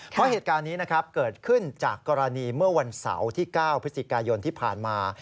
เพราะเหตุการณ์นี้นะครับเกิดขึ้นจากกรณีเมื่อวันเสาร์ที่๙พฤศจิกายนที่ผ่านมา